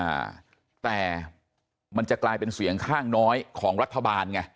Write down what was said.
อ่าแต่มันจะกลายเป็นเสียงข้างน้อยของรัฐบาลไง